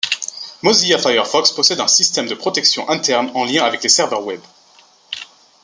Mozilla Firefox possède un système de protection interne en lien avec le serveur Web.